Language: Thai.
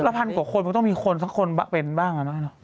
พันกว่าคนมันต้องมีคนสักคนเป็นบ้างนะ